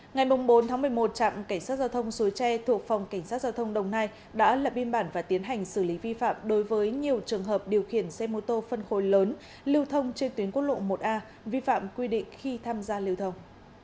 ngày bốn một mươi một trạm cảnh sát giao thông suối tre thuộc phòng cảnh sát giao thông đồng nai đã lập biên bản và tiến hành xử lý vi phạm đối với nhiều trường hợp điều khiển xe mô tô phân khối lớn lưu thông trên tuyến quốc lộ một a vi phạm quy định khi tham gia lưu thông